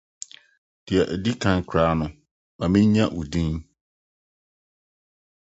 Nea edi kan koraa no, ma minnya wo din?